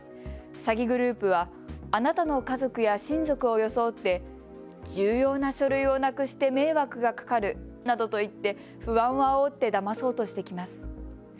詐欺グループはあなたの家族や親族を装って重要な書類をなくして迷惑がかかるなどと言って不安をあおって、だまそうとしてきます。